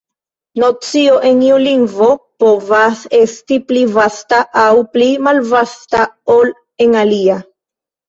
Nocio en iu lingvo povas esti pli vasta aŭ pli malvasta ol en alia.